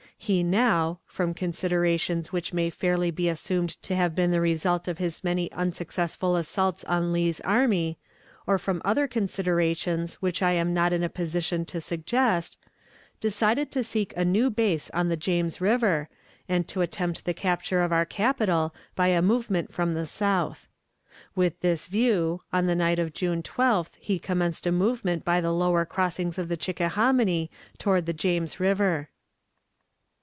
He now, from considerations which may fairly be assumed to have been the result of his many unsuccessful assaults on Lee's army, or from other considerations which I am not in a position to suggest, decided to seek a new base on the James River, and to attempt the capture of our capital by a movement from the south. With this view, on the night of June 12th he commenced a movement by the lower crossings of the Chickahominy toward the James River.